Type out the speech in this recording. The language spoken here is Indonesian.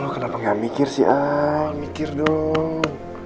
kenapa gak mikir sih ah mikir dong